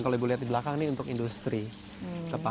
kalau kita lihat ihan nanti kita coba